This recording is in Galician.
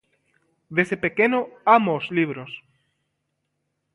Desde pequeno amo os libros.